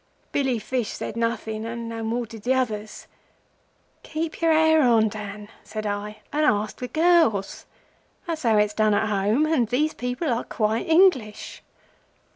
Billy Fish said nothing and no more did the others. 'Keep your hair on, Dan,' said I; 'and ask the girls. That's how it's done at home, and these people are quite English.